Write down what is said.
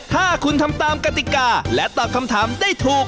ถ้าคุณทำตามกติกาและตอบคำถามได้ถูก